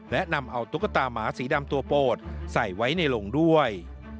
และนำเอาตุ๊กตาหมาสีดำตัวโปรดใส่ไว้ในโรงด้วย